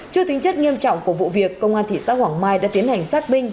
trước tính chất nghiêm trọng của vụ việc công an thị xã hoàng mai đã tiến hành sát binh